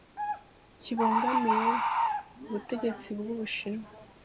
kibogamiye ku butegetsi bw'Ubushinwa